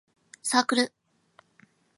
サークル